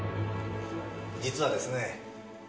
実はですね